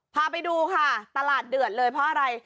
พาไปดูค่ะตลาดเดือดเลยเพราะอะไร